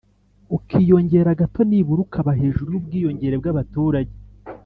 ukiyongera gato nibura ukaba hejuru y'ubwiyongere bw'abaturage,